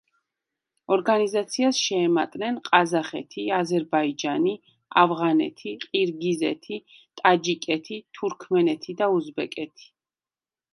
ორგანიზაციას შეემატნენ: ყაზახეთი, აზერბაიჯანი, ავღანეთი, ყირგიზეთი, ტაჯიკეთი, თურქმენეთი და უზბეკეთი.